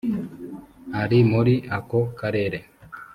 ari muri ako karere